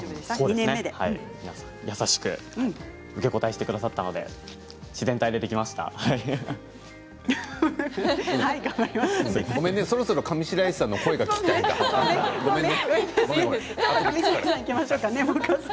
皆さん優しく受け答えしてくださったのでごめんね、そろそろ上白石さんの声が聞きたいんだ。